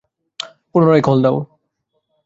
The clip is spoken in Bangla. পুনরায় কল দাও।